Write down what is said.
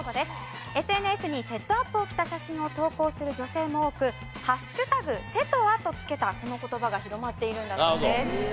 ＳＮＳにセットアップを着た写真を投稿する女性も多く「＃セトア」と付けたこの言葉が広まっているんだそうです。